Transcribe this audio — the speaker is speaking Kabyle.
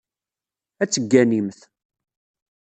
Ad tegganimt.